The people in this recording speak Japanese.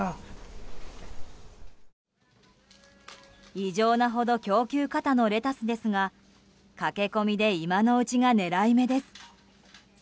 異常なほど供給過多のレタスですが駆け込みで今のうちが狙い目です。